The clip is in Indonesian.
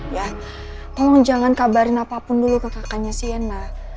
ya tolong jangan kabarin apapun dulu ke kakaknya shaina